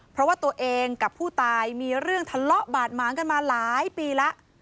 เพราะว่าตัวเองกับผู้ตายมีเรื่องทะเลาะบาดหมางกันมาหลายปีแล้ว